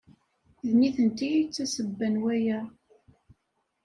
D nitenti ay d tasebba n waya.